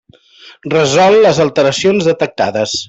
Resol les alteracions detectades.